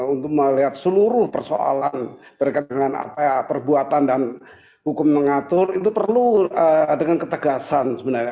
untuk melihat seluruh persoalan berkaitan dengan perbuatan dan hukum mengatur itu perlu dengan ketegasan sebenarnya